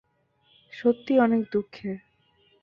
সত্যিই অনেক দুঃখের!